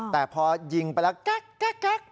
แต่พอยิงไปแล้วก๊ะก๊ะก๊ะ